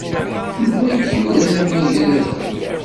Anwa ay d-yuran amagrad-a?